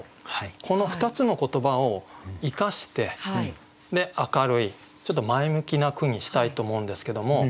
この２つの言葉を生かして明るいちょっと前向きな句にしたいと思うんですけども。